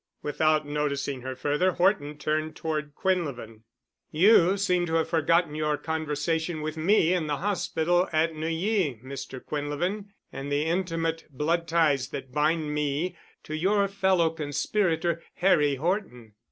Without noticing her further Horton turned toward Quinlevin. "You seem to have forgotten your conversation with me in the hospital at Neuilly, Mr. Quinlevin, and the intimate blood ties that bind me to your fellow conspirator, Harry Horton."